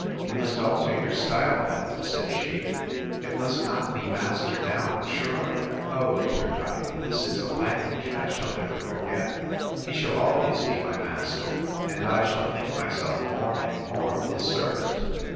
You must alter your style, madam, said she: It must not be master now, sure!—O, returned I, this is a language I shall never forget: he shall always be my master; and I shall think myself more and more his servant.